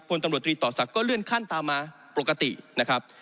ตำรวจตรีต่อศักดิ์เลื่อนขั้นตามมาปกตินะครับ